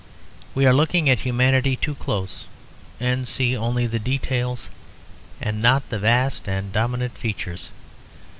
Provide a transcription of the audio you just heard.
We are looking at humanity too close, and see only the details and not the vast and dominant features.